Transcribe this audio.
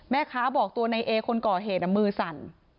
แม่ค้าบอกตัวในเอคนก่อเหตุมือสั่น